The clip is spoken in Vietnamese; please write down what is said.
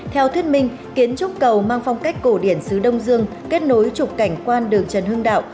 theo thuyết minh kiến trúc cầu mang phong cách cổ điển sứ đông dương kết nối trục cảnh quan đường trần hưng đạo